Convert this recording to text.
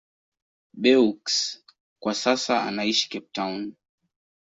Beukes kwa sasa anaishi Cape Town.